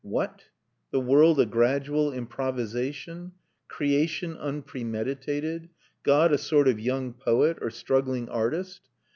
What! The world a gradual improvisation? Creation unpremeditated? God a sort of young poet or struggling artist?